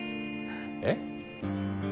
えっ？